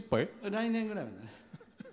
来年ぐらいまでね。